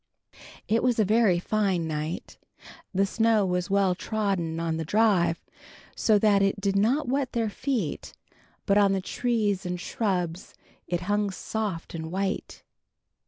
VII. It was a very fine night. The snow was well trodden on the drive, so that it did not wet their feet, but on the trees and shrubs it hung soft and white.